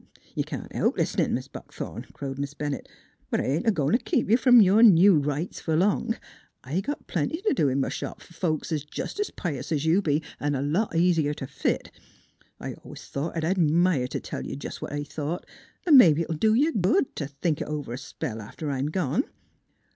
"' can't help lis'nin', Mis' Buckthorn," crowed Miss Bennett. " But I ain't a goin' t' keep you from your new rights fer long; I got plenty t' do in m' shop fer folks 'at 's jest 's pious 's you be an' a lot easier t' fit. I always thought I'd ad mire t' tell you jest what I thought; 'n' mebbe it '11 do you good t' think it over a spell after I'm gone.